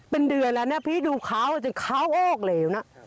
เป็นเดือนแล้วนะพี่ดูขาวจนขาวออกเหลวนะ